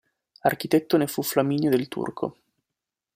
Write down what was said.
Architetto ne fu Flaminio del Turco.